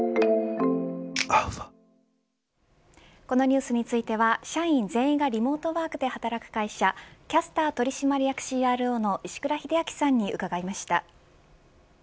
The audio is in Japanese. このニュースについては社員全員がリモートワークで働く会社キャスター取締役ＣＲＯの石倉秀明さんに伺いました。